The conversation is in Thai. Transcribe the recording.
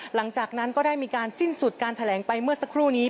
หลังจากนั้นก็ได้มีการสิ้นสุดการแถลงไปเมื่อสักครู่นี้